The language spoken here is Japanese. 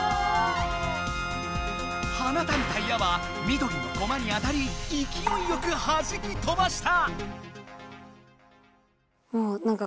はなたれた矢は緑のコマに当たりいきおいよくはじき飛ばした！